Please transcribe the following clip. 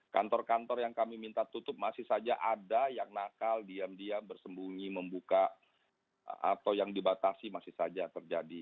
kantor kantor yang kami minta tutup masih saja ada yang nakal diam diam bersembunyi membuka atau yang dibatasi masih saja terjadi